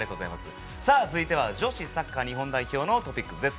続いては女子サッカー日本代表のトピックスです。